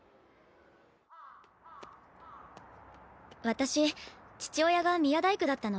私父親が宮大工だったの。